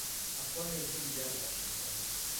Attualmente vive a Washington.